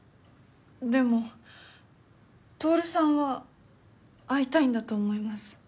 でも透さんは会いたいんだと思います。